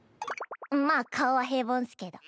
まあ顔は平凡っスけど。